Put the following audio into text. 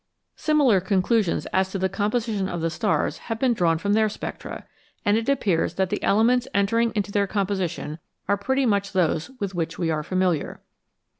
Similar conclusions as to the composition of the stars have been drawn from their spectra, and it appears that the elements entering into their composition are pretty much those with which we are familiar.